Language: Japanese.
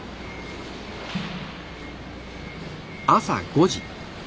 朝５時。